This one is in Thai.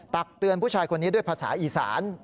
ตักเตือนผู้ชายคนนี้ด้วยภาษาอีสาน